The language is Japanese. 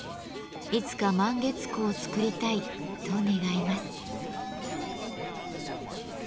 「いつか満月壺を作りたい」と願います。